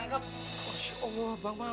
ya bakal buang cepet banget